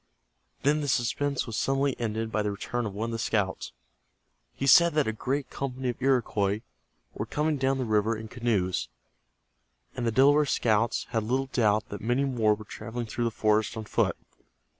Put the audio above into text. Then the suspense was suddenly ended by the return of one of the scouts. He said that a great company of Iroquois were coming down the river in canoes, and the Delaware scouts had little doubt that many more were traveling through the forest on foot.